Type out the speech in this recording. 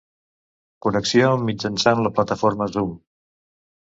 Connexió mitjançant la plataforma Zoom.